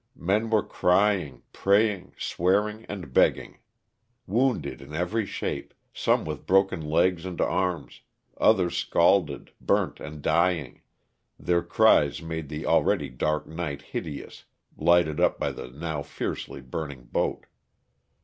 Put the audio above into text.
Men were crying, praying, swearing, and begging. Wounded in every shape, some with broken legs and arms, others scalded, burnt and dying, their cries made the already dark night hideous, lighted up by the now fiercely burning boat.